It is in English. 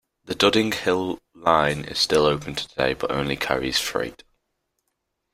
The Dudding Hill Line is still open today, but only carries freight.